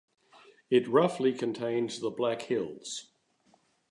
It roughly contains the Black Hills.